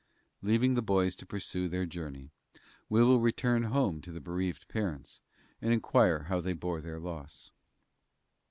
Leaving the boys to pursue their journey, we will return to the bereaved parents, and inquire how they bore their loss.